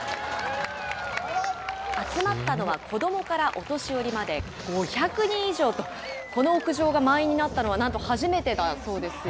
集まったのは子どもからお年寄りまで５００人以上と、この屋上が満員になったのは、なんと初めてだそうですよ。